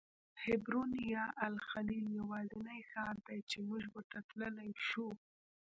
حبرون یا الخلیل یوازینی ښار دی چې موږ ورته تللی شو.